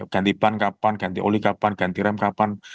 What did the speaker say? ganti ban kapan ganti oli kapan ganti rem kapan